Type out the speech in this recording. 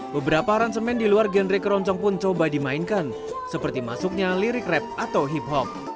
beberapa ransemen di luar genre keroncong pun coba dimainkan seperti masuknya lirik rap atau hip hop